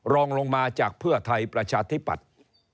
รองลงมาจากเพื่อไทยประชาธิปัตย์